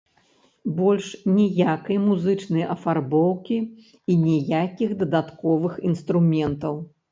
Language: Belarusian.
Больш ніякай музычнай афарбоўкі і ніякіх дадатковых інструментаў.